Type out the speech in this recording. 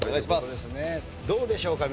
どうでしょうか？